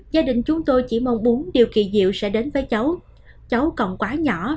gia đình chúng tôi chỉ mong muốn điều kỳ diệu sẽ đến với cháu cháu còn quá nhỏ